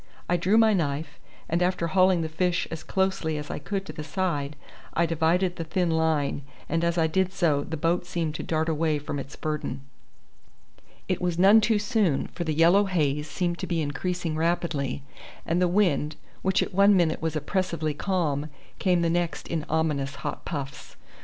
I drew my knife, and after hauling the fish as closely as I could to the side I divided the thin line, and as I did so the boat seemed to dart away from its burden. It was none too soon, for the yellow haze seemed to be increasing rapidly, and the wind, which at one minute was oppressively calm, came the next in ominous hot puffs.